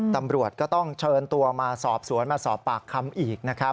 ตำรวจก็ต้องเชิญตัวมาสอบสวนมาสอบปากคำอีกนะครับ